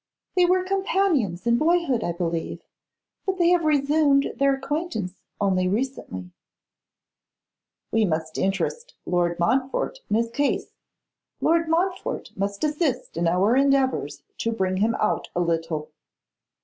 'They were companions in boyhood, I believe; but they have resumed their acquaintance only recently.' 'We must interest Lord Montfort in his case. Lord Montfort must assist in our endeavours to bring him out a little.